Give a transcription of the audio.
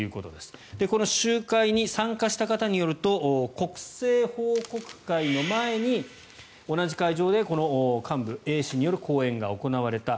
この集会に参加した方によると国政報告会の前に、同じ会場で幹部、Ａ氏による講演が行われた。